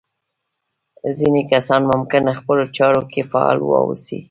ځينې کسان ممکن خپلو چارو کې فعال واوسي.